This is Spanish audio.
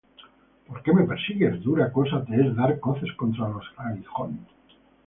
¿por qué me persigues? Dura cosa te es dar coces contra los aguijones.